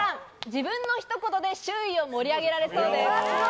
自分の一言で周囲を盛り上げられそうです。